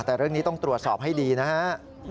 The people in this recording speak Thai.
แต่เรื่องนี้ต้องตรวจสอบให้ดีนะฮะ